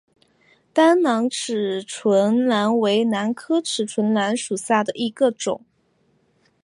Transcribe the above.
单囊齿唇兰为兰科齿唇兰属下的一个种。